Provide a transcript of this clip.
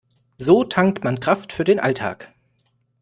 So tankt man Kraft für den Alltag.